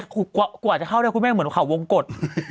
กว่าจะเข้าได้คุณแม่เหมือนเขาวงกฎ